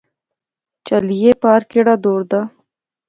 چہلیے، پار کیہڑا دور دا